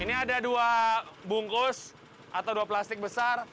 ini ada dua bungkus atau dua plastik besar